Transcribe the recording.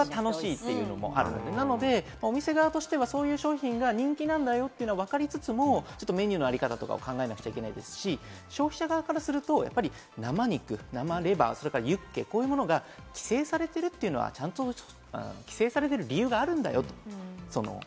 そこが楽しいというのもあるので、なのでお店側としてはそういう商品が人気なんだよというのをわかりつつもメニューの在り方とかを考えなくちゃいけないですし、消費者側からすると、生肉、生レバー、ユッケ、こういうものが規制されているというのはちゃんと規制されている理由があるんだよと。